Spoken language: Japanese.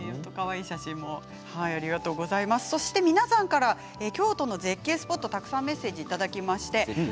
そして皆さんから京都の絶景スポットたくさんメッセージいただきました。